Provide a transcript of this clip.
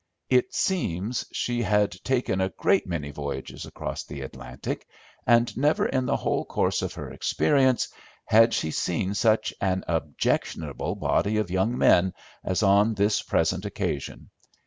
It seems she had taken a great many voyages across the Atlantic, and never in the whole course of her experience had she seen such an objectionable body of young men as on this present occasion.